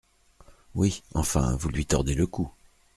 Oui, enfin, vous lui tordez le cou…